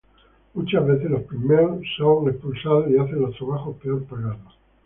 Muchas veces los pigmeos son expulsados y hacen los trabajos peor pagados.